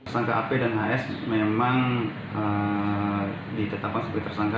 sangka ap dan hs memang ditetapkan sebagai tersangka